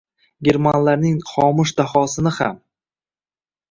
Germanlarning xomush dahosini ham…